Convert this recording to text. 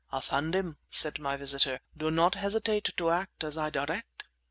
"Effendim," said my visitor, "do not hesitate to act as I direct!"